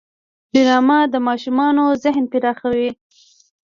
ډرامه د ماشومانو ذهن پراخوي